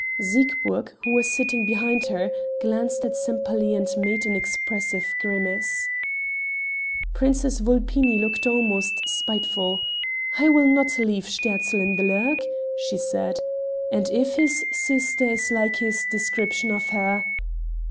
Siegburg, who was sitting behind her, glanced at Sempaly and made an expressive grimace. Princess Vulpini looked almost spiteful. "I will not leave Sterzl in the lurch," she said, "and if his sister is like his description of her...."